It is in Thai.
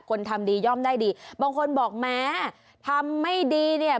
คนทำดีย่อมได้ดีบางคนบอกแม้ทำไม่ดีเนี่ย